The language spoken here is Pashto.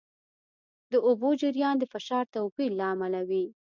د اوبو جریان د فشار توپیر له امله وي.